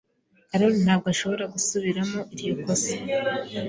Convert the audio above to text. Karoli ntabwo ashobora gusubiramo iryo kosa.